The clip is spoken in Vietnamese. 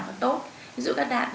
có tốt ví dụ các đạn